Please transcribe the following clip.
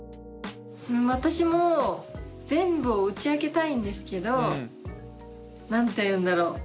私も全部を打ち明けたいんですけど何て言うんだろう